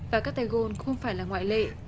và các tay gôn không phải là ngoại lệ